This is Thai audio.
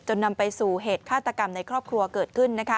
นำไปสู่เหตุฆาตกรรมในครอบครัวเกิดขึ้น